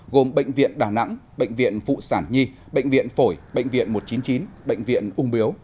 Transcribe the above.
gồm bệnh viện đà nẵng bệnh viện phụ sản nhi bệnh viện phổi bệnh viện một trăm chín mươi chín bệnh viện ung biếu